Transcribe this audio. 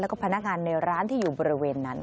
แล้วก็พนักงานในร้านที่อยู่บริเวณนั้น